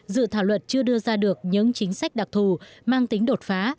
dự thảo luật chưa đưa ra được những chính sách đặc thù mang tính đột phá